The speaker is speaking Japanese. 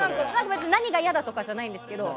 別に何が嫌だとかじゃないんですけど。